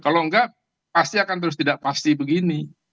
kalau enggak pasti akan terus tidak pasti begini